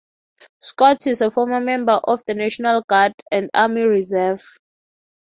Scott is a former member of the National Guard and Army Reserve.